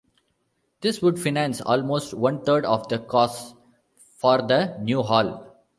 This would finance almost one third of the costs for the new hall.